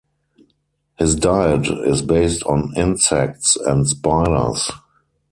His diet is based on insects and spiders.